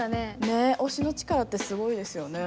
ねえ推しの力ってすごいですよね。